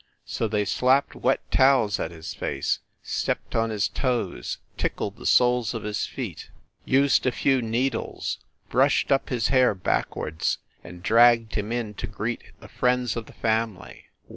So they slapped wet towels at his face, stepped on his toes, tickled the soles of his feet, used a few needles, THE LIARS CLUB 81 brushed up his hair backwards, and dragged him in to greet the friends of the family.